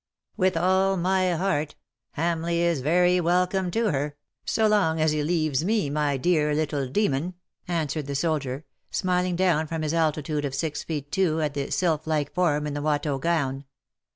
" With all my heart. Hamleigh is very welcome 298 "love is love for evermore." to her_, so long as he leaves me my dear little demon/^ answered the soldier_, smiling down from his altitude of six feet two at the sylph like form in the Watteau gown.